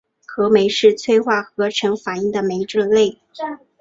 合酶是催化合成反应的酶类。